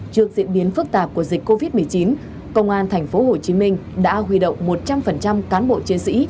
trước diễn biến phức tạp của dịch covid một mươi chín công an tp hcm đã huy động một trăm linh cán bộ chiến sĩ